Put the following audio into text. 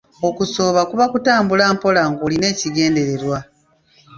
Okusooba kuba kutambula mpola ng'olina ekigendererwa.